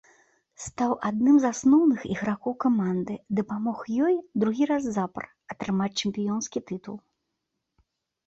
Стаў адным з асноўных ігракоў каманды, дапамог ёй другі раз запар атрымаць чэмпіёнскі тытул.